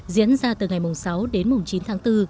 diễn ra từ ngày sáu đến chín tháng bốn